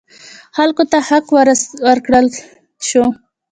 خلکو ته حق ورکړل شو.